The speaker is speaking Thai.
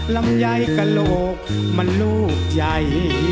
ลำใหญ่กะโลกมันลูกใหญ่